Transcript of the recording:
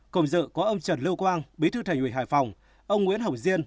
cùng dự có ông trần lưu quang bí thư thầy nguyễn hải phòng ông nguyễn hồng diên